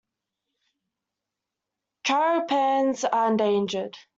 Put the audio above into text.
Tragopans are endangered.